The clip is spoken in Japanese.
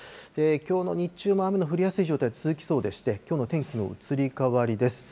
きょうの日中も雨の降りやすい状態、続きそうでして、きょうの天気の移り変わりです。